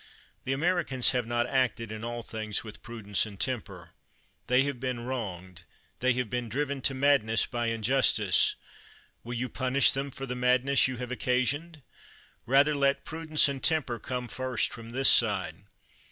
The Americans have not acted in all things with prudence and temper: they have been wronged: they have been driven to madness by injustice. Will you punish them for the mad ness you have occasioned? Rather let prudence and temper come first from this side.